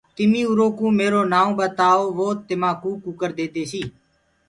تمي اُرو ڪوُ ميرو نائونٚ ٻتآيو وو تمآ ڪوُ ڪٚڪر ديديسي۔